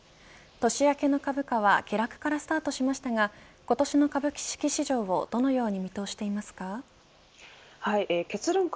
年明けの株価は下落からスタートしましたが今年の株式市場をどのように見通していますか。